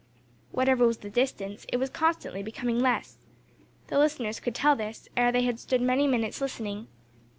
Whatever was the distance, it was constantly becoming less. The listeners could tell this, ere they had stood many minutes listening.